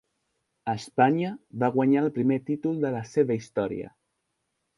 Espanya va guanyar el primer títol de la seva història.